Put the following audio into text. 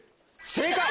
正解！